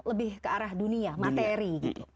lebih ke arah dunia materi gitu